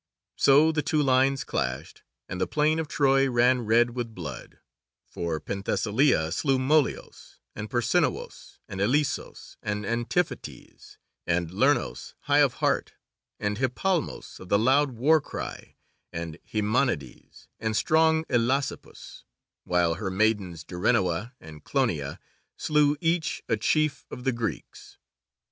So the two lines clashed, and the plain of Troy ran red with blood, for Penthesilea slew Molios, and Persinoos, and Eilissos, and Antiphates, and Lernos high of heart, and Hippalmos of the loud warcry, and Haemonides, and strong Elasippus, while her maidens Derinoe and Clonie slew each a chief of the Greeks.